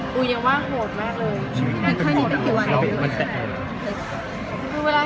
กูยังว่าโอดมากเลย